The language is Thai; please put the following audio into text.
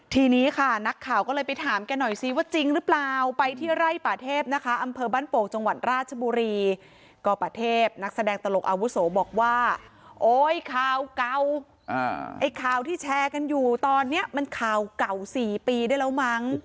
ทีนี้ค่ะนักข่าวก็เลยไปถามแกหน่อยซิว่าจริงหรือเปล่าไปที่ไร่ป่าเทพนะคะอำเภอบ้านโป่งจังหวัดราชบุรีก็ประเทพนักแสดงตลกอาวุโสบอกว่าโอ๊ยข่าวเก่าไอ้ข่าวที่แชร์กันอยู่ตอนนี้มันข่าวเก่า๔ปีได้แล้วมั้ง